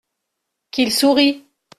Qu’il sourie !